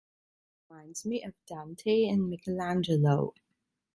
He reminds me of Dante and Michelangelo.